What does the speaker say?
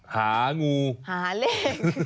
หางูหาเลข